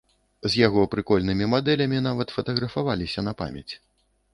З яго прыкольнымі мадэлямі нават фатаграфаваліся на памяць.